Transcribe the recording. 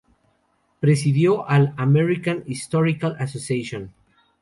Presidió la American Historical Association.